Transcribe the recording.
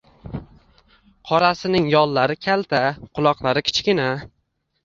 Qorasining yollari kalta, quloqlari kichkina